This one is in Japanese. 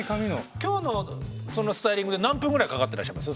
今日のそのスタイリングで何分ぐらいかかってらっしゃいます？